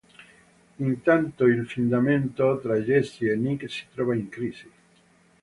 Intanto il fidanzamento tra Jessi e Nick si trova in crisi.